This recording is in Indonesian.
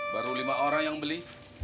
baru lima orang yang beli